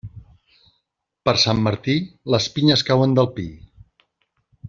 Per Sant Martí, les pinyes cauen del pi.